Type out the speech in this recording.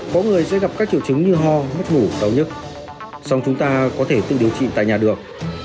mỗi người sẽ gặp các triệu chứng như ho mất ngủ đau nhức xong chúng ta có thể tự điều trị tại nhà được